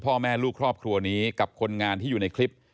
พ่อแม่ลูกครอบครัวนี้กับคนงานที่อยู่ในคลิป